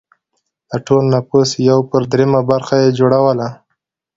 د ټول نفوس یو پر درېیمه برخه یې جوړوله.